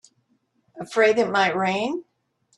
Afraid it might rain?